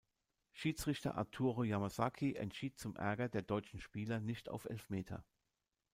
Schiedsrichter Arturo Yamasaki entschied zum Ärger der deutschen Spieler nicht auf Elfmeter.